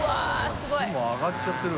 火も上がっちゃってる。